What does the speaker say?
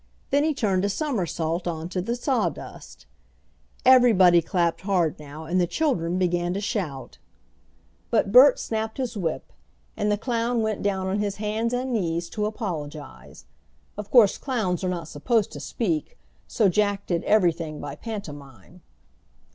Then he turned a somersault on to the sawdust. Everybody clapped hard now, and the children began to shout. But Bert snapped his whip and the clown went down on his hands and knees to apologize. Of course clowns are not supposed to speak, so Jack did everything by pantomime.